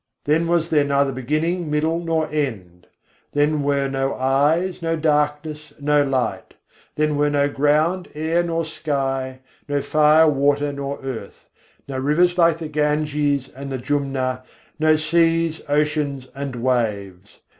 Then was there neither beginning, middle, nor end; Then were no eyes, no darkness, no light; Then were no ground, air, nor sky; no fire, water, nor earth; no rivers like the Ganges and the Jumna, no seas, oceans, and waves.